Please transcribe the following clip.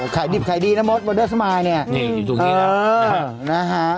ขายดิบขายดีนะมดวอเดอร์สมายเนี่ยนี่ตรงนี้นะนะฮะ